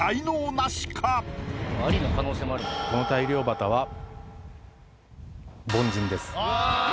この大漁旗は凡人です。